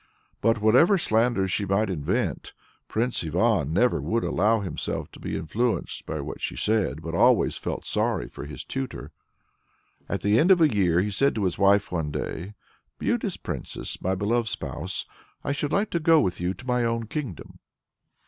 But whatever slanders she might invent, Prince Ivan never would allow himself to be influenced by what she said, but always felt sorry for his tutor. At the end of a year he said to his wife one day "Beauteous Princess, my beloved spouse! I should like to go with you to my own kingdom."